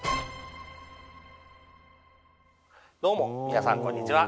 どうも皆さんこんにちは。